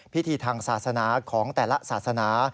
พิธีทางศาสนาของแต่ละศาสนา